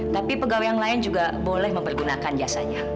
tapi pegawai yang lain juga boleh mempergunakan jasanya